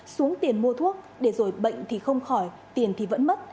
xuống tiền mua thuốc để rồi bệnh thì không khỏi tiền thì vẫn mất